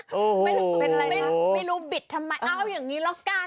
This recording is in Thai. โอ้โหไม่รู้บิดทำไมอ้าวอย่างนี้ละกัน